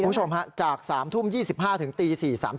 คุณผู้ชมฮะจาก๓ทุ่ม๒๕ถึงตี๔๓๐